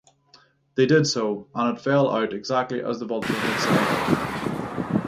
They did so, and it fell out exactly as the vulture had said.